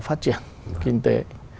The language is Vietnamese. phát triển kinh tế